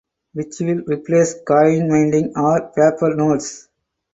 Which will replace coin minting or paper notes.